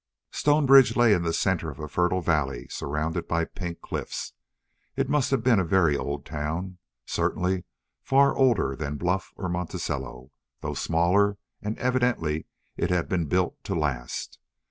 Stonebridge lay in the center of a fertile valley surrounded by pink cliffs. It must have been a very old town, certainly far older than Bluff or Monticello, though smaller, and evidently it had been built to last.